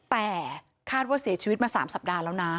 แต่คาดว่าเสียชีวิตมา๓สัปดาห์แล้วนะ